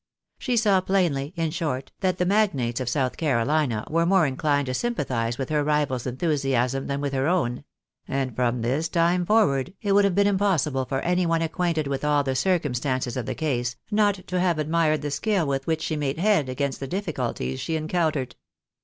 She saw plainly, in short, that the magnates of South Carolina were more inclined to sympathise with her rival's enthusiasm than with her own ; and from this time forward it would have been impossible for any one acquainted with all the circumstances of the case, not to have admired the skill with which she made head against the difficulties she encountered.